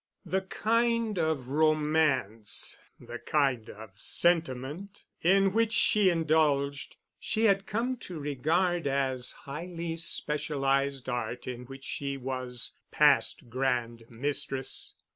The kind of romance, the kind of sentiment, in which she indulged she had come to regard as highly specialized art in which she was Past Grand Mistress.